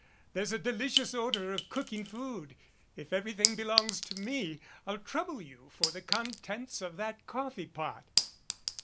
There's a delicious odor of cooking food. If everything belongs to me, I'll trouble you for the contents of that coffee pot."